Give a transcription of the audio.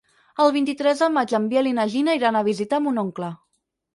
El vint-i-tres de maig en Biel i na Gina iran a visitar mon oncle.